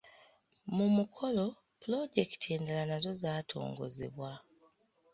Mu mukolo, pulojekiti endala nazo zaatongozebwa.